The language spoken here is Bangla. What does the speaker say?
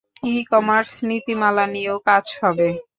ই কমার্স নীতিমালা নিয়েও কাজ হবে।